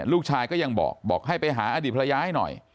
ลูกชายก็ยังบอกบอกให้ไปหาอดีตภรรยาให้หน่อย